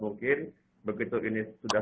mungkin begitu ini sudah